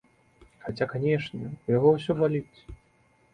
Хаця, канечне, у яго ўсё баліць.